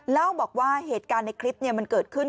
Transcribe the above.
เล่าบอกว่าเหตุการณ์ในคลิปมันเกิดขึ้น